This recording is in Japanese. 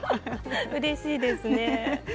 うれしいです。